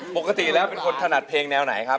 ปกติแล้วเป็นคนถนัดเพลงแนวไหนครับ